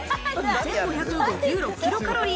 ２５５６キロカロリー。